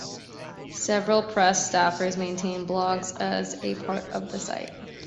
Several "Press" staffers maintain blogs as a part of the site.